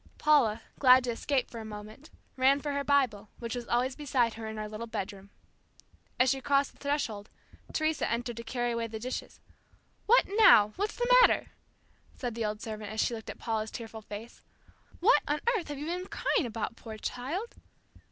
Paula, glad to escape for a moment, ran for her Bible, which was always beside her in our little bedroom. As she crossed the threshold, Teresa entered to carry away the dishes. "What now? What's the matter?" said the old servant as she looked at Paula's tearful face. "What on earth have you been crying about, poor child?"